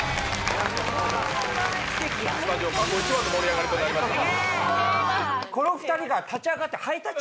スタジオ過去一番の盛り上がりとなりました。